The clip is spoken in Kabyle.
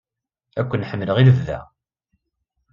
Ad ken-ḥemmleɣ i lebda.